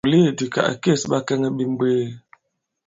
Mùleèdì kì à kês ɓakɛŋɛ ɓe mbwee.